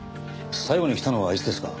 最後に来たのはいつですか？